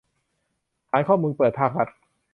ฐานข้อมูลเปิดภาครัฐ